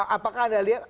apakah ada lihat